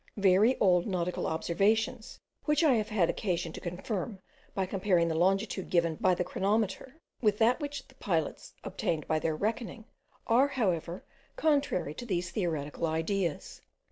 Very old nautical observations, which I have had occasion to confirm by comparing the longitude given by the chronometer with that which the pilots obtained by their reckoning, are, however, contrary to these theoretical ideas.